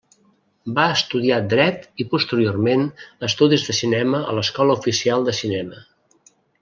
Va estudiar dret i posteriorment estudis de cinema a l'Escola Oficial de Cinema.